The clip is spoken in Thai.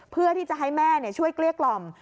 เพื่อที่จะให้แม่ช่วยเกลี้ยกล่อม